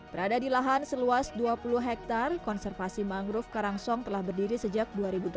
perang song telah berdiri sejak dua ribu delapan